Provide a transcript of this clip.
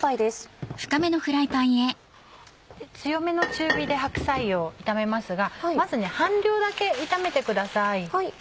強めの中火で白菜を炒めますがまず半量だけ炒めてください。